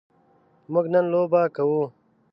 موږ نن لوبه کوو.